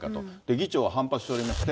議長は反発しておりまして。